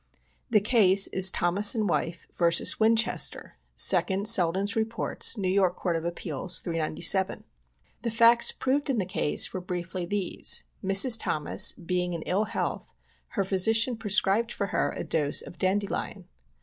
The case is Thomas and wife vs. Winchester, 2d Selden's Heports, N. Y. Court of Appeals, 397. The facts proved in the case were briefly these : Mrs. Thomas being in ill health, her physican prescribed for her a dose of dandelion.